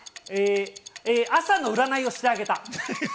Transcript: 朝の占いをしてあげた。